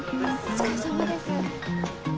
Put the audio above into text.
お疲れさまです。